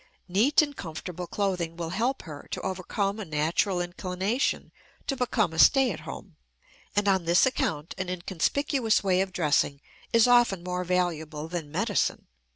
Neat and comfortable clothing will help her to overcome a natural inclination to become a "stay at home," and on this account an inconspicuous way of dressing is often more valuable than medicine.